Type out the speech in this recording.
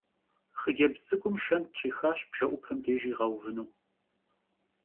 Xhıcebz ts'ık'um şşent ş'ixaş bjje'upem dêjj yiğeuvınu.